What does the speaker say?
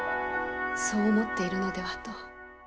そう思っているのではと。